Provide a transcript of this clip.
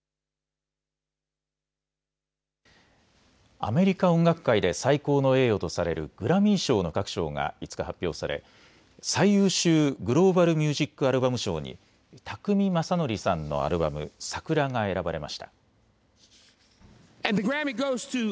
アメリカ音楽界で最高の栄誉とされるグラミー賞の各賞が５日、発表され、最優秀グローバル・ミュージック・アルバム賞に宅見将典さんのアルバム、ＳＡＫＵＲＡが選ばれました。